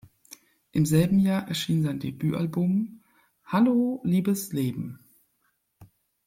Im selben Jahr erschien sein Debütalbum "Hallo liebes Leben".